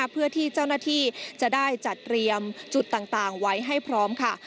เพื่อที่เจ้าหน้าที่จะได้จัดเตรียมจุดต่างไว้ให้พร้อมค่ะ